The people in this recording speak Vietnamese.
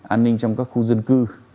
an ninh trong các khu dân cư